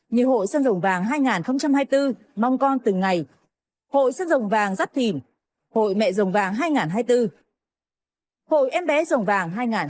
như hội sân rồng vàng hai nghìn hai mươi bốn mong con từng ngày hội sân rồng vàng giáp thìn hội mẹ rồng vàng hai nghìn hai mươi bốn hội em bé rồng vàng hai nghìn hai mươi bốn